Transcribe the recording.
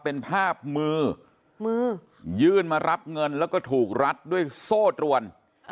เป็นภาพมือมือยื่นมารับเงินแล้วก็ถูกรัดด้วยโซ่ตรวน